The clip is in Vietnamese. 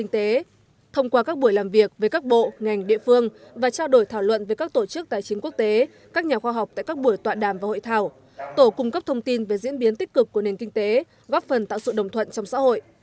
thông qua các buổi làm việc với các bộ ngành địa phương và trao đổi thảo luận với các tổ chức tài chính quốc tế các nhà khoa học tại các buổi tọa đàm và hội thảo tổ cung cấp thông tin về diễn biến tích cực của nền kinh tế góp phần tạo sự đồng thuận trong xã hội